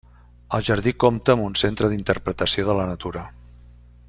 El jardí compta amb un centre d'interpretació de la natura.